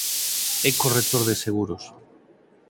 É corretor de seguros.